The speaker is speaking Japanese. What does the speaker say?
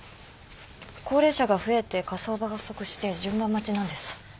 高齢者が増えて火葬場が不足して順番待ちなんです。